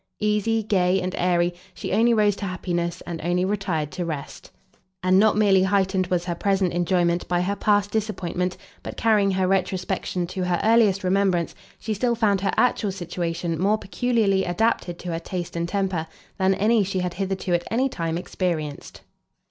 Easy, gay, and airy, she only rose to happiness, and only retired to rest; and not merely heightened was her present enjoyment by her past disappointment, but, carrying her retrospection to her earliest remembrance, she still found her actual situation more peculiarly adapted to her taste and temper, than any she had hitherto at any time experienced.